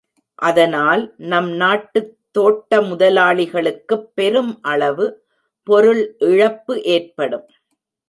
அதனால் நம் நாட்டுத் தோட்ட முதலாளிகளுக்குப் பெரும் அளவு பொருள் இழப்பு ஏற்படும்.